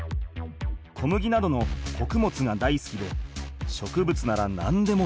小麦などのこくもつがだいすきで植物なら何でも食べる。